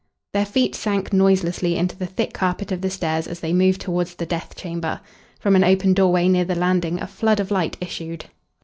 Their feet sank noiselessly into the thick carpet of the stairs as they moved towards the death chamber. From an open doorway near the landing a flood of light issued.